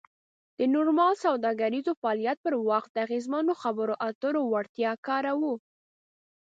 د نورمال سوداګریز فعالیت پر وخت د اغیزمنو خبرو اترو وړتیا کاروو.